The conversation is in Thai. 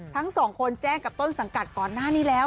ทั้งสองคนแจ้งกับต้นสังกัดก่อนหน้านี้แล้ว